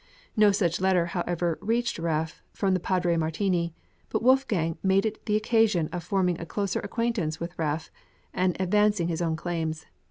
No such letter, however, reached Raaff from Padre Martini; but Wolfgang made it the occasion of forming a closer acquaintance with Raaff, and advancing his own claims.